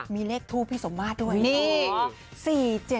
มีเลขทูพี่สมมาตย์ด้วยนี่๔๗๙